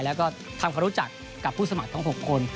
แล้วก็ทำความรู้จักกับผู้สมัครทั้ง๖คน